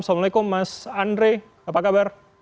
assalamualaikum mas andre apa kabar